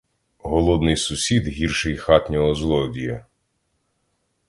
Голодний сусід гірший хатнього злодія.